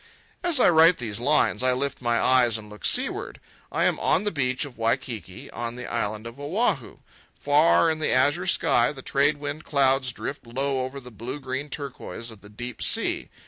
As I write these lines I lift my eyes and look seaward. I am on the beach of Waikiki on the island of Oahu. Far, in the azure sky, the trade wind clouds drift low over the blue green turquoise of the deep sea.